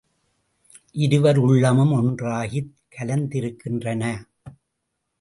இருவர் உள்ளமும் ஒன்றாகிக் கலந்திருக்கின்றன.